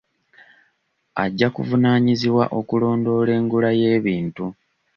Ajja kuvunaanyizibwa okulondoola engula y'ebintu.